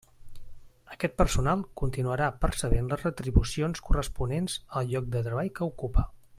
Aquest personal continuarà percebent les retribucions corresponents al lloc de treball que ocupa.